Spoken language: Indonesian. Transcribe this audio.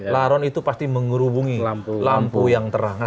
laron itu pasti mengerubungi lampu yang terang